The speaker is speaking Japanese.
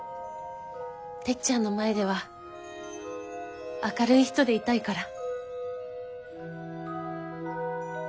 てっちゃんの前では明るい人でいたいから。